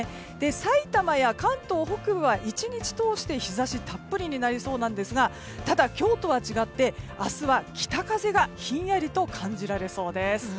さいたまや関東北部は１日通して、日差したっぷりになりそうなんですがただ、今日とは違って明日は北風がひんやりと感じられそうです。